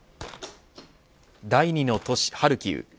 第２の都市ハルキウ。